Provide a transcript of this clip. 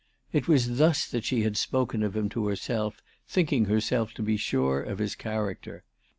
It was thus that she had spoken of him to herself, thinking herself to be sure of his character.